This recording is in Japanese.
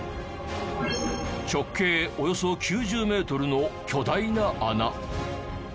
直径およそ９０メートルの巨大な穴。